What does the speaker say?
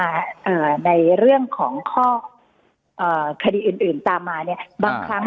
คุณแอ้มใช่ค่ะ